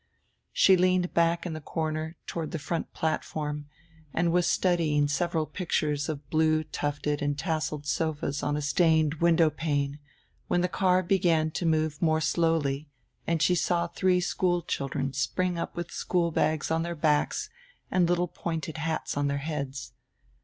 She leaned back in the corner toward the front platform and was studying several pictures of blue tufted and tas seled sofas on a stained window pane, when the car began to move more slowly and she saw three school children spring up with school bags on their backs and little pointed hats on their heads.